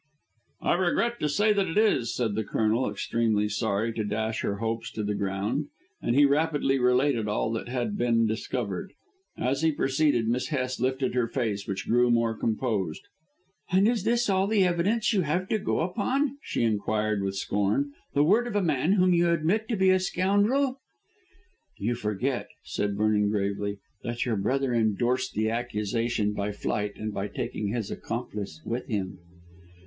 "I regret to say that it is," said the Colonel, extremely sorry to dash her hopes to the ground, and he rapidly related all that had been discovered. As he proceeded Miss Hest lifted her face, which grew more composed. "And is this all the evidence you have to go upon?" she inquired with scorn; "The word of a man whom you admit to be a scoundrel?" "You forget," said Vernon gravely, "that your brother endorsed the accusation by flight and by taking his accomplice with him."